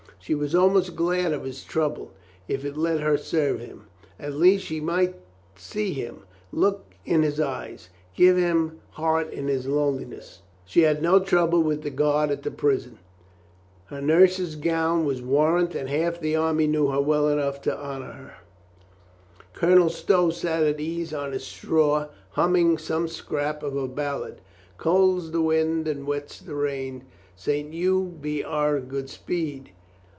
She was almost glad of his trouble if it let her serve him. At least she might see him, look in his eyes, give him heart in his loneliness. She had no trouble with the guard at the prison. Her nurse's gown was warrant and half the army knew her well enough to honor her. COLONEL STOW IS AWAKED 413 Colonel Stow sat at ease on his straw humming some scrap of a ballad — Cold's the wind, and wet's the rain, St. Hugh be our good speed!